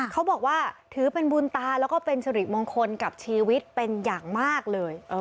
เขาบอกว่าถือเป็นบุญตาแล้วก็เป็นสิริมงคลกับชีวิตเป็นอย่างมากเลย